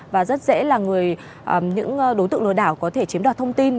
và rất dễ là những đối tượng lừa đảo có thể chiếm đoạt thông tin